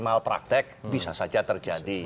malpraktek bisa saja terjadi